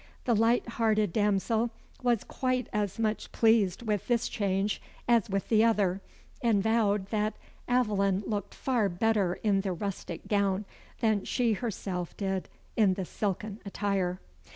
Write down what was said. The light hearted damsel was quite as much pleased with this change as with the other and vowed that Aveline looked far better in the rustic gown, than she herself did in the silken attire.